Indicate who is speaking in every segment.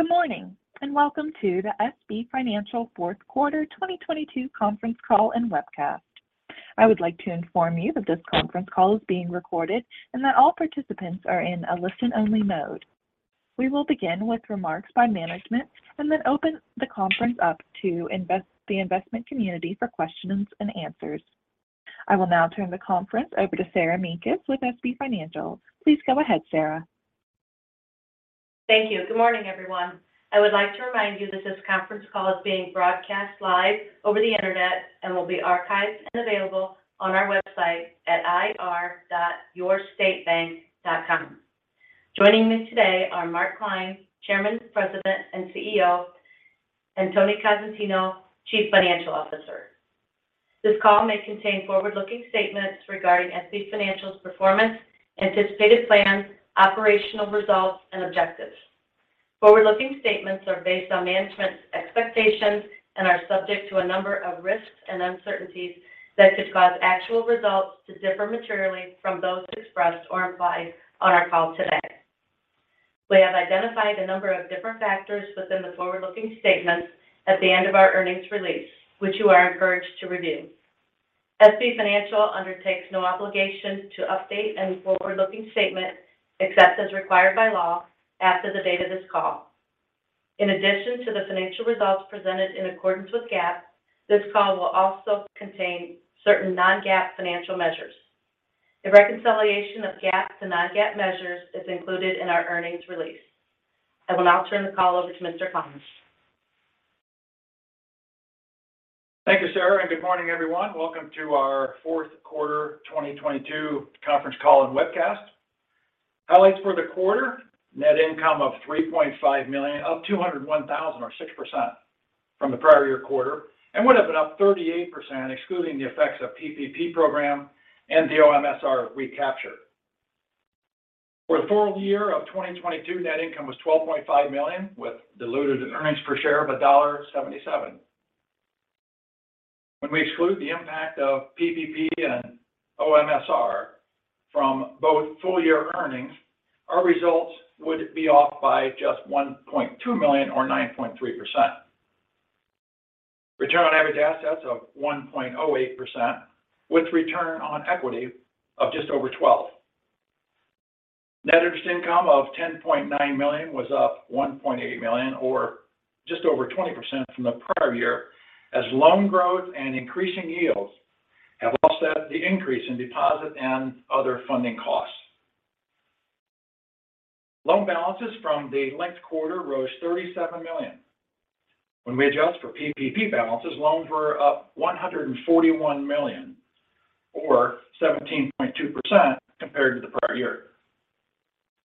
Speaker 1: Good morning, and welcome to the SB Financial Fourth Quarter 2022 Conference Call and Webcast. I would like to inform you that this conference call is being recorded and that all participants are in a listen only mode. We will begin with remarks by management and then open the conference up to the investment community for questions and answers. I will now turn the conference over to Sarah Mekus with SB Financial. Please go ahead, Sarah.
Speaker 2: Thank you. Good morning, everyone. I would like to remind you that this conference call is being broadcast live over the Internet and will be archived and available on our website at ir.yourstatebank.com. Joining me today are Mark Klein, Chairman, President, and CEO, and Tony Cosentino, Chief Financial Officer. This call may contain forward-looking statements regarding SB Financial's performance, anticipated plans, operational results, and objectives. Forward-looking statements are based on management's expectations and are subject to a number of risks and uncertainties that could cause actual results to differ materially from those expressed or implied on our call today. We have identified a number of different factors within the forward-looking statements at the end of our earnings release, which you are encouraged to review. SB Financial undertakes no obligation to update any forward-looking statement, except as required by law after the date of this call. In addition to the financial results presented in accordance with GAAP, this call will also contain certain non-GAAP financial measures. A reconciliation of GAAP to non-GAAP measures is included in our earnings release. I will now turn the call over to Mr. Klein.
Speaker 3: Thank you, Sarah. Good morning, everyone. Welcome to our fourth quarter 2022 conference call and webcast. Highlights for the quarter, net income of $3.5 million, up $201,000 or 6% from the prior year quarter, and would have been up 38% excluding the effects of PPP program and the OMSR recapture. For the full year of 2022, net income was $12.5 million, with diluted earnings per share of $1.77. When we exclude the impact of PPP and OMSR from both full year earnings, our results would be off by just $1.2 million or 9.3%. Return on average assets of 1.08% with return on equity of just over 12%. Net interest income of $10.9 million was up $1.8 million or just over 20% from the prior year as loan growth and increasing yields have offset the increase in deposit and other funding costs. Loan balances from the linked quarter rose $37 million. When we adjust for PPP balances, loans were up $141 million or 17.2% compared to the prior year.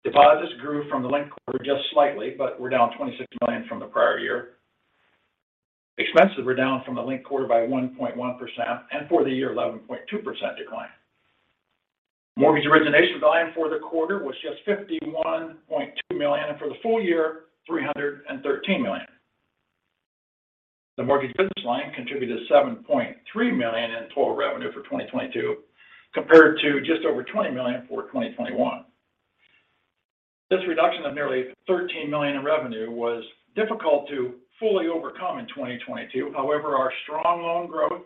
Speaker 3: Deposits grew from the linked quarter just slightly, but were down $26 million from the prior year. Expenses were down from the linked quarter by 1.1% and for the year 11.2% decline. Mortgage origination volume for the quarter was just $51.2 million, and for the full year, $313 million. The mortgage business line contributed $7.3 million in total revenue for 2022 compared to just over $20 million for 2021. This reduction of nearly $13 million in revenue was difficult to fully overcome in 2022. However, our strong loan growth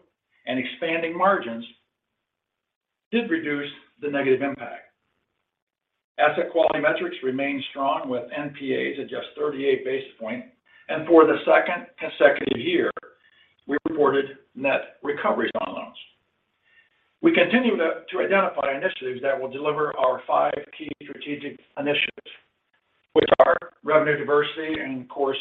Speaker 3: and expanding margins did reduce the negative impact. Asset quality metrics remain strong with NPAs at just 38 basis points. For the second consecutive year, we reported net recoveries on loans. We continue to identify initiatives that will deliver our five key strategic initiatives, which are revenue diversity and course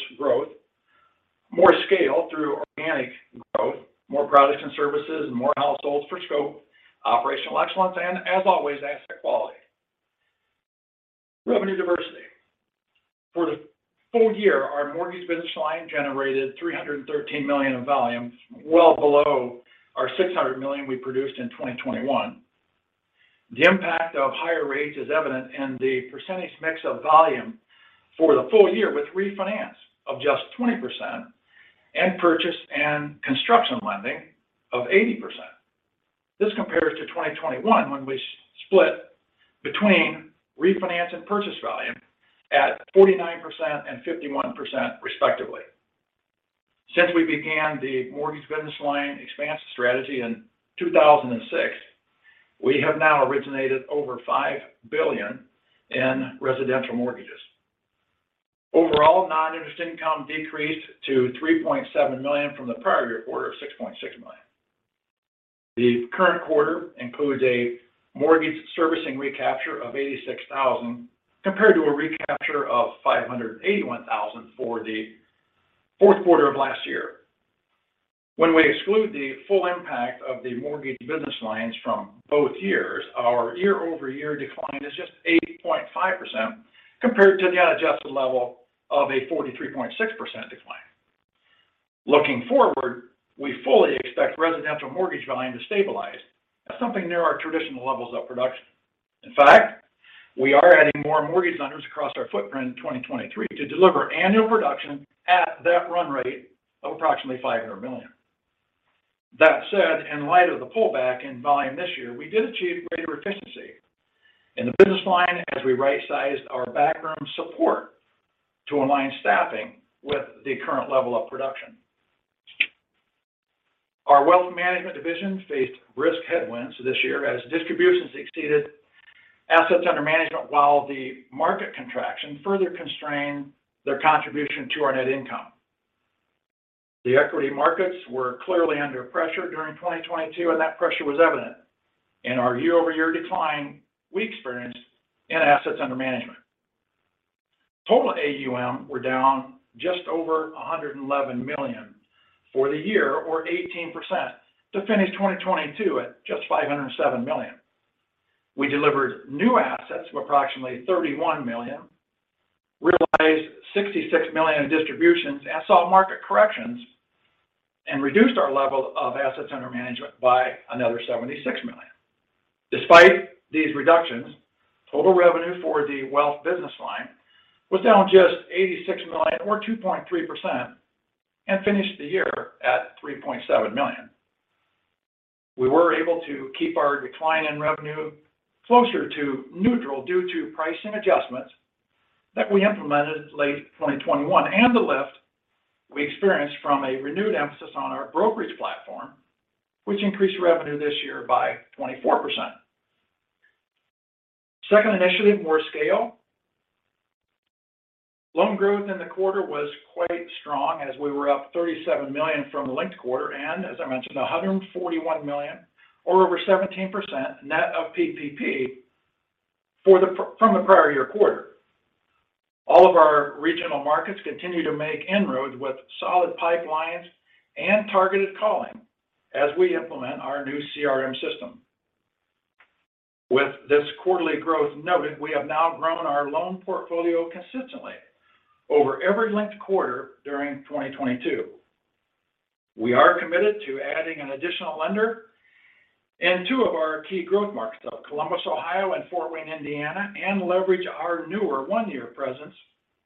Speaker 3: growth, more scale through organic growth, more products and services, and more households for scope, operational excellence, and as always, asset quality. Revenue diversity. For the full year, our mortgage business line generated $313 million of volume, well below our $600 million we produced in 2021. The impact of higher rates is evident in the percentage mix of volume for the full year with refinance of just 20% and purchase and construction lending of 80%. This compares to 2021 when we split between refinance and purchase volume at 49% and 51% respectively. Since we began the mortgage business line expansion strategy in 2006, we have now originated over $5 billion in residential mortgages. Overall, non-interest income decreased to $3.7 million from the prior year quarter of $6.6 million. The current quarter includes a mortgage servicing recapture of $86,000 compared to a recapture of $581,000 for the fourth quarter of last year. When we exclude the full impact of the mortgage business lines from both years, our year-over-year decline is just 8.5% compared to the unadjusted level of a 43.6% decline. Looking forward, we fully expect residential mortgage volume to stabilize at something near our traditional levels of production. In fact, we are adding more mortgage lenders across our footprint in 2023 to deliver annual production at that run rate of approximately $500 million. That said, in light of the pullback in volume this year, we did achieve greater efficiency in the business line as we right-sized our backroom support to align staffing with the current level of production. Our wealth management division faced risk headwinds this year as distributions exceeded assets under management, while the market contraction further constrained their contribution to our net income. The equity markets were clearly under pressure during 2022. That pressure was evident in our year-over-year decline we experienced in assets under management. Total AUM were down just over $111 million for the year, or 18%, to finish 2022 at just $507 million. We delivered new assets of approximately $31 million, realized $66 million in distributions and saw market corrections. Reduced our level of assets under management by another $76 million. Despite these reductions, total revenue for the wealth business line was down just $86 million, or 2.3%. And finished the year at $3.7 million. We were able to keep our decline in revenue closer to neutral due to pricing adjustments that we implemented late 2021 and the lift we experienced from a renewed emphasis on our brokerage platform, which increased revenue this year by 24%. Second initiative, more scale. Loan growth in the quarter was quite strong as we were up $37 million from the linked quarter and as I mentioned, $141 million or over 17% net of PPP from the prior year quarter. All of our regional markets continue to make inroads with solid pipelines and targeted calling as we implement our new CRM system. With this quarterly growth noted, we have now grown our loan portfolio consistently over every linked quarter during 2022. We are committed to adding an additional lender in two of our key growth markets of Columbus, Ohio, and Fort Wayne, Indiana, and leverage our newer one-year presence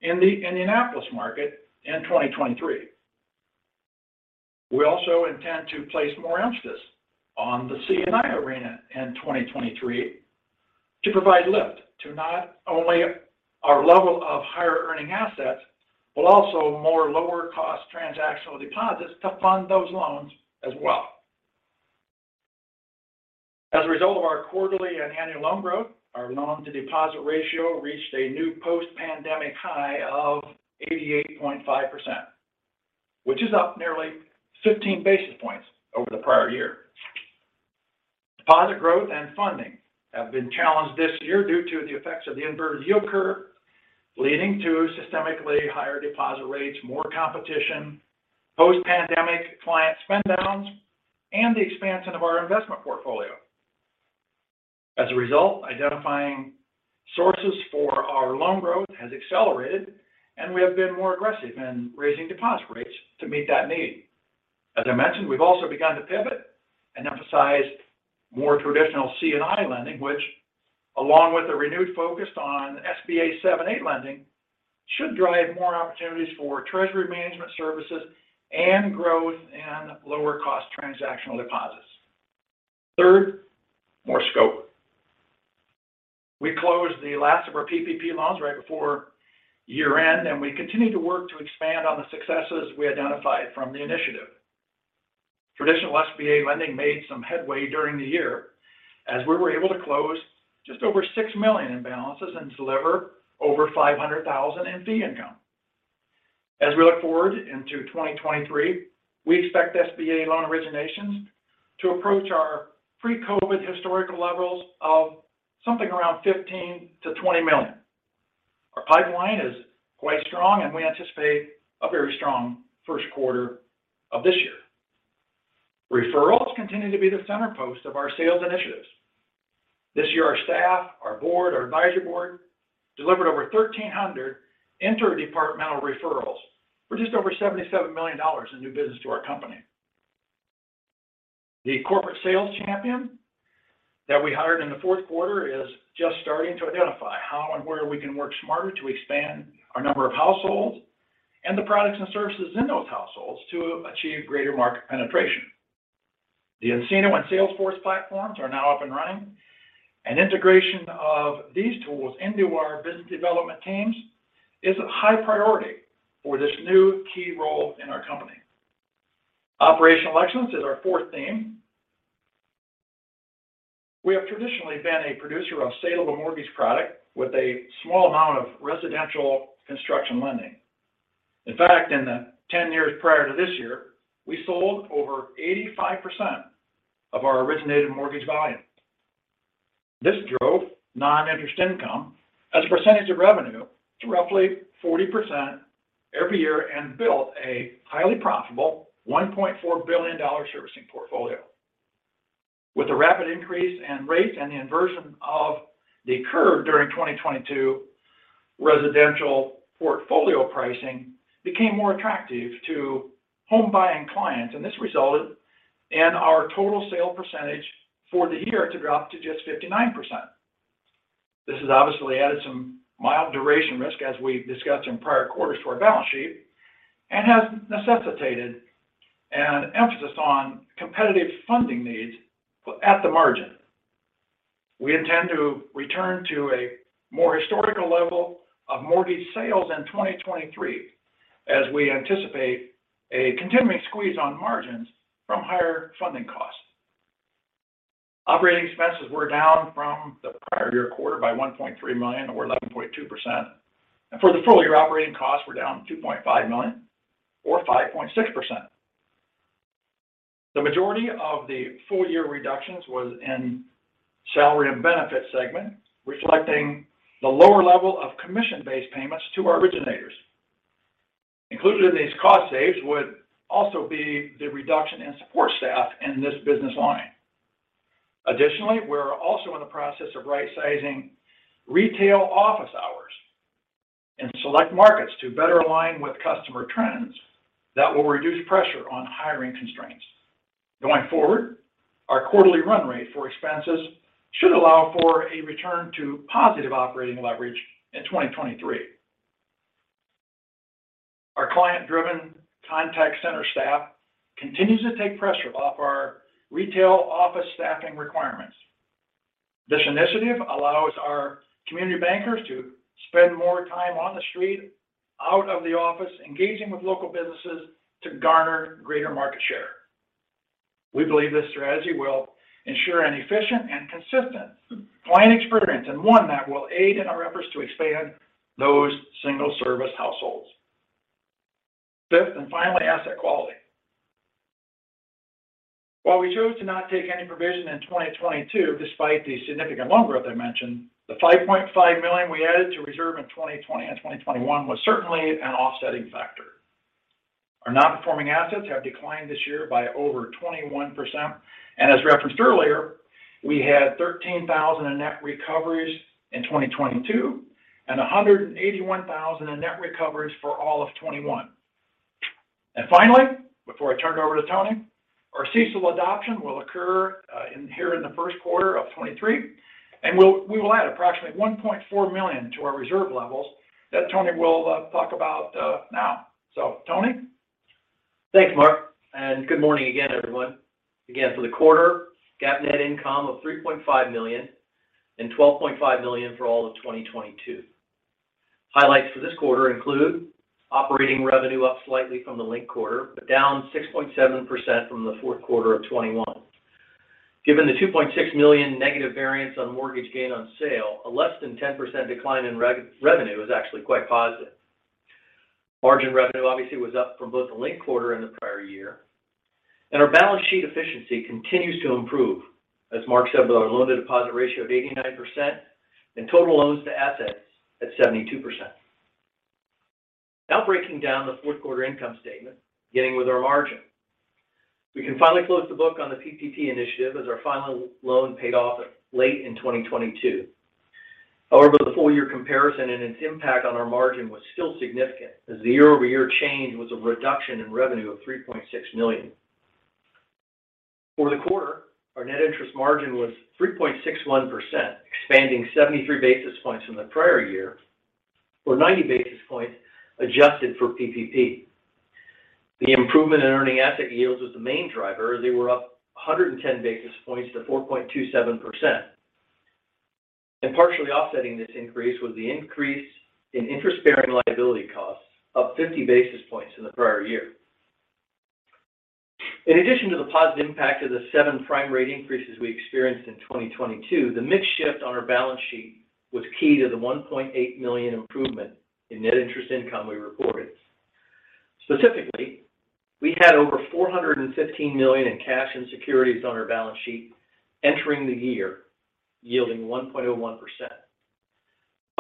Speaker 3: in the Indianapolis market in 2023. We also intend to place more emphasis on the C&I arena in 2023 to provide lift to not only our level of higher earning assets, but also more lower cost transactional deposits to fund those loans as well. As a result of our quarterly and annual loan growth, our loan to deposit ratio reached a new post-pandemic high of 88.5%, which is up nearly 15 basis points over the prior year. Deposit growth and funding have been challenged this year due to the effects of the inverted yield curve, leading to systemically higher deposit rates, more competition, post-pandemic client spend downs, and the expansion of our investment portfolio. Identifying sources for our loan growth has accelerated, and we have been more aggressive in raising deposit rates to meet that need. As I mentioned, we've also begun to pivot and emphasize more traditional C&I lending, which along with a renewed focus on SBA 7(a) lending, should drive more opportunities for treasury management services and growth in lower cost transactional deposits. Third, more scope. We closed the last of our PPP loans right before year-end. We continue to work to expand on the successes we identified from the initiative. Traditional SBA lending made some headway during the year, as we were able to close just over $6 million in balances and deliver over $500,000 in fee income. As we look forward into 2023, we expect SBA loan originations to approach our pre-COVID historical levels of something around $15 million-$20 million. Our pipeline is quite strong, and we anticipate a very strong first quarter of this year. Referrals continue to be the center post of our sales initiatives. This year, our staff, our board, our advisory board delivered over 1,300 interdepartmental referrals for just over $77 million in new business to our company. The corporate sales champion that we hired in the fourth quarter is just starting to identify how and where we can work smarter to expand our number of households and the products and services in those households to achieve greater market penetration. The nCino and Salesforce platforms are now up and running, and integration of these tools into our business development teams is a high priority for this new key role in our company. Operational excellence is our fourth theme. We have traditionally been a producer of saleable mortgage product with a small amount of residential construction lending. In fact, in the 10 years prior to this year, we sold over 85% of our originated mortgage volume. This drove non-interest income as a percentage of revenue to roughly 40% every year and built a highly profitable $1.4 billion servicing portfolio. With the rapid increase in rates and the inversion of the curve during 2022, residential portfolio pricing became more attractive to home buying clients, this resulted in our total sale percentage for the year to drop to just 59%. This has obviously added some mild duration risk, as we've discussed in prior quarters to our balance sheet, has necessitated an emphasis on competitive funding needs at the margin. We intend to return to a more historical level of mortgage sales in 2023 as we anticipate a continuing squeeze on margins from higher funding costs. Operating expenses were down from the prior year quarter by $1.3 million, or 11.2%. For the full year, operating costs were down $2.5 million, or 5.6%. The majority of the full year reductions was in salary and benefits segment, reflecting the lower level of commission-based payments to our originators. Included in these cost saves would also be the reduction in support staff in this business line. Additionally, we're also in the process of rightsizing retail office hours in select markets to better align with customer trends that will reduce pressure on hiring constraints. Going forward, our quarterly run rate for expenses should allow for a return to positive operating leverage in 2023. Our client-driven contact center staff continues to take pressure off our retail office staffing requirements. This initiative allows our community bankers to spend more time on the street, out of the office, engaging with local businesses to garner greater market share. We believe this strategy will ensure an efficient and consistent client experience, and one that will aid in our efforts to expand those single service households. Fifth, finally, asset quality. While we chose to not take any provision in 2022, despite the significant loan growth I mentioned, the $5.5 million we added to reserve in 2020 and 2021 was certainly an offsetting factor. Our Non-Performing Assets have declined this year by over 21%. As referenced earlier, we had $13,000 in net recoveries in 2022, and $181,000 in net recoveries for all of 2021. Finally, before I turn it over to Tony, our CECL adoption will occur here in the first quarter of 2023, we will add approximately $1.4 million to our reserve levels that Tony will talk about now. Tony.
Speaker 4: Thanks, Mark. Good morning again, everyone. Again, for the quarter, GAAP net income of $3.5 million and $12.5 million for all of 2022. Highlights for this quarter include operating revenue up slightly from the linked quarter, down 6.7% from the fourth quarter of 2021. Given the $2.6 million negative variance on mortgage gain on sale, a less than 10% decline in revenue is actually quite positive. Margin revenue obviously was up from both the linked quarter and the prior year. Our balance sheet efficiency continues to improve, as Mark said, with our loan-to-deposit ratio of 89% and total loans to assets at 72%. Breaking down the fourth quarter income statement, beginning with our margin. We can finally close the book on the PPP initiative as our final loan paid off late in 2022. However, the full year comparison and its impact on our margin was still significant as the year-over-year change was a reduction in revenue of $3.6 million. For the quarter, our net interest margin was 3.61%, expanding 73 basis points from the prior year, or 90 basis points adjusted for PPP. The improvement in earning asset yields was the main driver. They were up 110 basis points to 4.27%. Partially offsetting this increase was the increase in interest-bearing liability costs, up 50 basis points in the prior year. In addition to the positive impact of the seven prime rate increases we experienced in 2022, the mix shift on our balance sheet was key to the $1.8 million improvement in net interest income we reported. Specifically, we had over $415 million in cash and securities on our balance sheet entering the year, yielding 1.01%.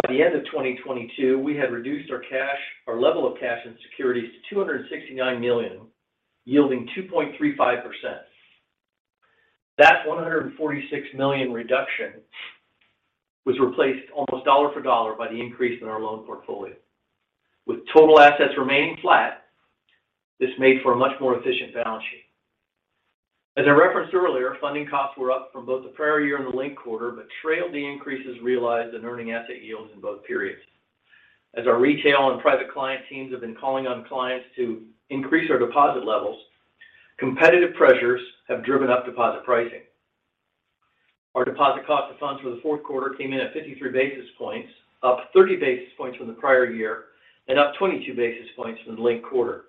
Speaker 4: By the end of 2022, we had reduced our level of cash and securities to $269 million, yielding 2.35%. That $146 million reduction was replaced almost dollar for dollar by the increase in our loan portfolio. With total assets remaining flat, this made for a much more efficient balance sheet. As I referenced earlier, funding costs were up from both the prior year and the linked quarter, but trailed the increases realized in earning asset yields in both periods. As our retail and private client teams have been calling on clients to increase our deposit levels, competitive pressures have driven up deposit pricing. Our deposit cost of funds for the fourth quarter came in at 53 basis points, up 30 basis points from the prior year and up 22 basis points from the linked quarter.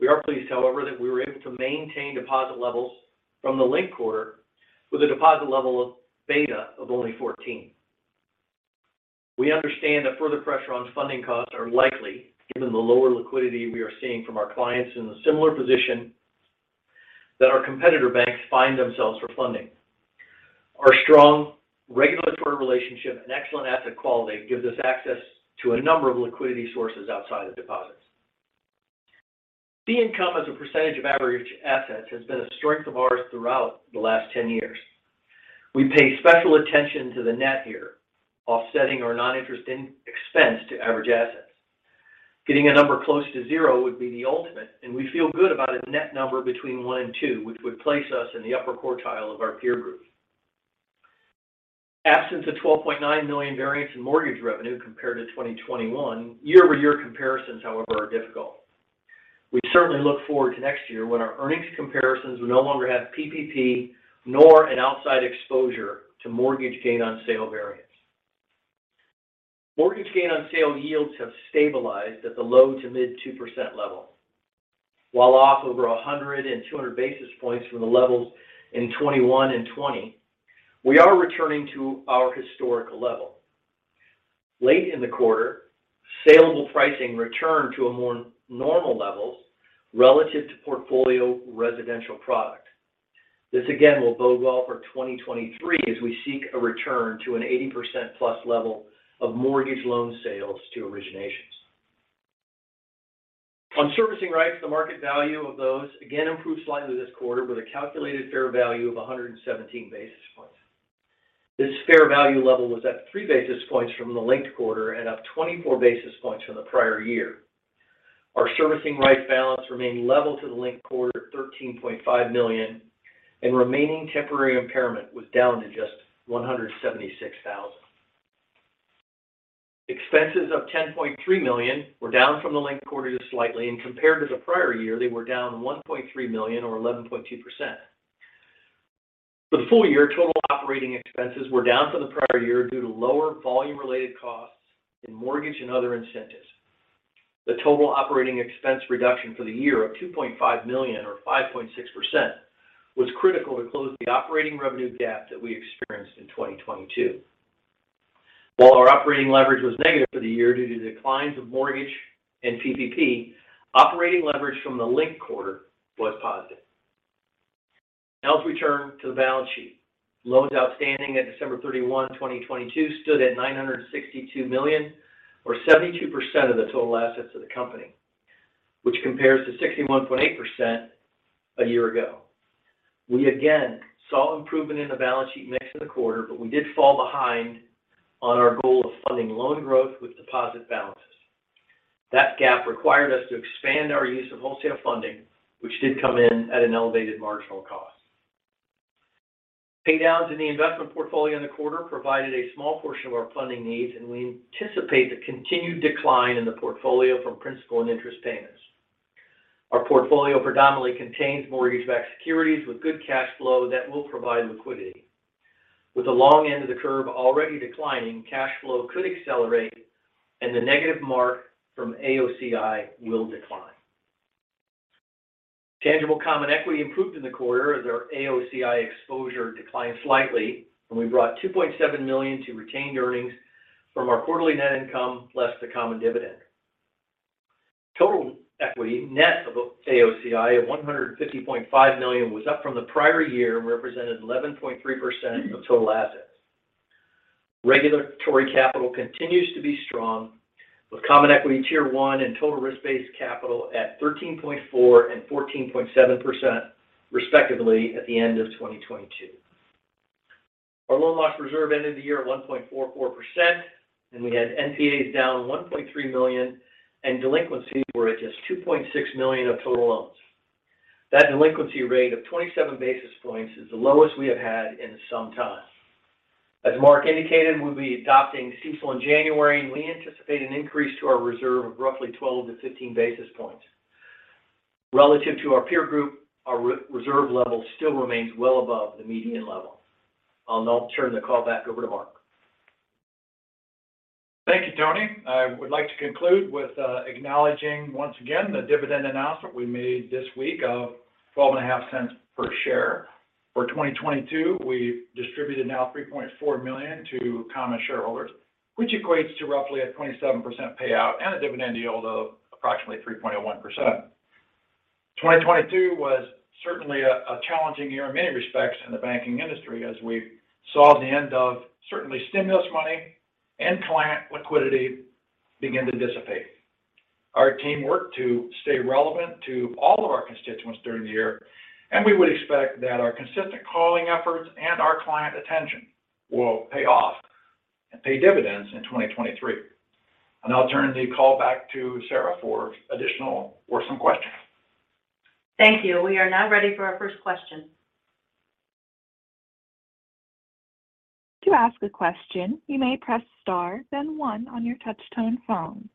Speaker 4: We are pleased, however, that we were able to maintain deposit levels from the linked quarter with a deposit level of beta of only 14. We understand that further pressure on funding costs are likely, given the lower liquidity we are seeing from our clients in a similar position that our competitor banks find themselves for funding. Our strong regulatory relationship and excellent asset quality gives us access to a number of liquidity sources outside of deposits. Fee income as a percentage of average assets has been a strength of ours throughout the last 10 years. We pay special attention to the net here, offsetting our non-interest in expense to average assets. Getting a number close to zero would be the ultimate, and we feel good about a net number between one and two, which would place us in the upper quartile of our peer group. Absence of $12.9 million variance in mortgage revenue compared to 2021, year-over-year comparisons, however, are difficult. We certainly look forward to next year when our earnings comparisons will no longer have PPP nor an outside exposure to mortgage gain on sale variance. Mortgage gain on sale yields have stabilized at the low to mid 2% level. While off over 100 and 200 basis points from the levels in 2021 and 2020, we are returning to our historical level. Late in the quarter, salable pricing returned to a more normal level relative to portfolio residential product. This again will bode well for 2023 as we seek a return to an 80%-plus level of mortgage loan sales to originations. On servicing rights, the market value of those again improved slightly this quarter with a calculated fair value of 117 basis points. This fair value level was at 3 basis points from the linked quarter and up 24 basis points from the prior year. Our servicing rights balance remained level to the linked quarter, $13.5 million, and remaining temporary impairment was down to just $176,000. Expenses of $10.3 million were down from the linked quarter just slightly. Compared to the prior year, they were down $1.3 million or 11.2%. For the full year, total operating expenses were down from the prior year due to lower volume-related costs in mortgage and other incentives. The total operating expense reduction for the year of $2.5 million or 5.6% was critical to close the operating revenue gap that we experienced in 2022. While our operating leverage was negative for the year due to declines of mortgage and PPP, operating leverage from the linked quarter was positive. Let's return to the balance sheet. Loans outstanding at December 31, 2022 stood at $962 million or 72% of the total assets of the company, which compares to 61.8% a year ago. We again saw improvement in the balance sheet next to the quarter. We did fall behind on our goal of funding loan growth with deposit balances. That gap required us to expand our use of wholesale funding, which did come in at an elevated marginal cost. Pay downs in the investment portfolio in the quarter provided a small portion of our funding needs. We anticipate the continued decline in the portfolio from principal and interest payments. Our portfolio predominantly contains mortgage-backed securities with good cash flow that will provide liquidity. With the long end of the curve already declining, cash flow could accelerate and the negative mark from AOCI will decline. Tangible common equity improved in the quarter as our AOCI exposure declined slightly, and we brought $2.7 million to retained earnings from our quarterly net income less the common dividend. Total equity, net of AOCI of $150.5 million, was up from the prior year and represented 11.3% of total assets. Regulatory capital continues to be strong with Common Equity Tier 1 and total risk-based capital at 13.4% and 14.7% respectively at the end of 2022. Our loan loss reserve ended the year at 1.44%, and we had NPAs down $1.3 million and delinquencies were at just $2.6 million of total loans. That delinquency rate of 27 basis points is the lowest we have had in some time. As Mark indicated, we'll be adopting CECL in January, and we anticipate an increase to our reserve of roughly 12-15 basis points. Relative to our peer group, our re-reserve level still remains well above the median level. I'll now turn the call back over to Mark.
Speaker 3: Thank you, Tony. I would like to conclude with acknowledging once again the dividend announcement we made this week of $0.125 per share. For 2022, we distributed now $3.4 million to common shareholders, which equates to roughly a 27% payout and a dividend yield of approximately 3.1%. 2022 was certainly a challenging year in many respects in the banking industry as we saw the end of certainly stimulus money and client liquidity begin to dissipate. Our team worked to stay relevant to all of our constituents during the year, we would expect that our consistent calling efforts and our client attention will pay off and pay dividends in 2023. I'll turn the call back to Sarah for additional or some questions.
Speaker 2: Thank you. We are now ready for our first question.
Speaker 1: To ask a question, you may press star then one on your touch tone phone.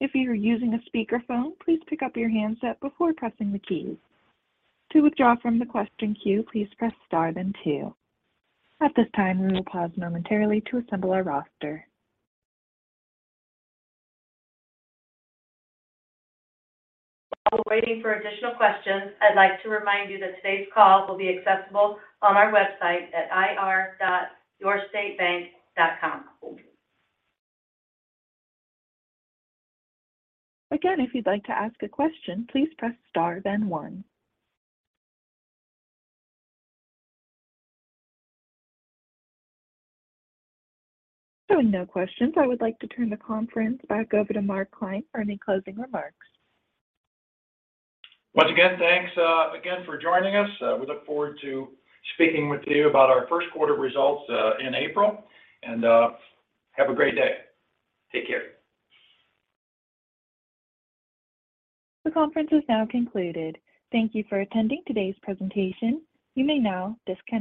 Speaker 1: If you are using a speaker phone, please pick up your handset before pressing the keys. To withdraw from the question queue, please press star then two. At this time, we will pause momentarily to assemble our roster.
Speaker 2: While we're waiting for additional questions, I'd like to remind you that today's call will be accessible on our website at ir.yourstatebank.com.
Speaker 1: Again, if you'd like to ask a question, please press star then one. With no questions, I would like to turn the conference back over to Mark Klein for any closing remarks.
Speaker 3: Once again, thanks again for joining us. We look forward to speaking with you about our first quarter results in April. Have a great day.
Speaker 4: Take care.
Speaker 1: The conference is now concluded. Thank you for attending today's presentation. You may now disconnect.